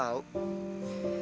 nanti kita berdua sedih